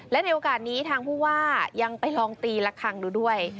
และในโอกาสนี้ทางผู้ว่ายังไปลองตีละครั้งดูด้วย